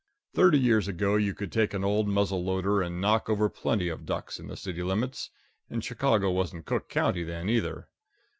Thirty years ago, you could take an old muzzle loader and knock over plenty of ducks in the city limits, and Chicago wasn't Cook County then, either.